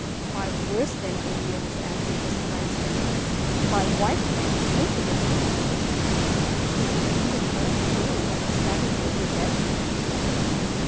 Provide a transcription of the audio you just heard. " By worse than Indians," answered Mr. Langston, —" by white men painted as Indians, who were even more cruel than the savages, if that can be."